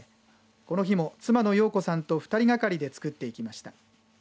この日も妻の洋子さんと２人がかりでつくっていきました。